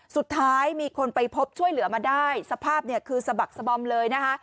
สุดท้ายมีคนไปพบช่วยเหลือมาได้สภาพคือสบักสบมเลย